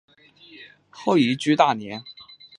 后移居大连。